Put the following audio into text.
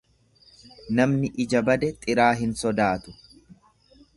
Namni ija bade xiraa hin sodaatu.